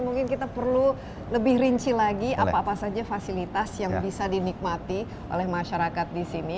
mungkin kita perlu lebih rinci lagi apa apa saja fasilitas yang bisa dinikmati oleh masyarakat di sini